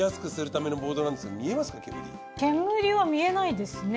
煙は見えないですね。